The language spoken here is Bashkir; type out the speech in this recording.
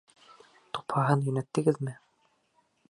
Тупһаһын йүнәттегеҙме?